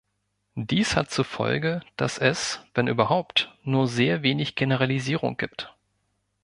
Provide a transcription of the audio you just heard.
Dies hat zur Folge, dass es, wenn überhaupt, nur sehr wenig Generalisierung gibt.